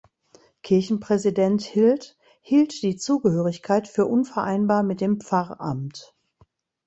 Kirchenpräsident Hild hielt die Zugehörigkeit für unvereinbar mit dem Pfarramt.